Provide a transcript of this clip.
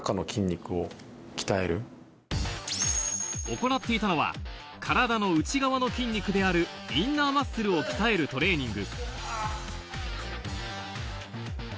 行っていたのは体の内側の筋肉であるインナーマッスルを鍛えるトレーニング。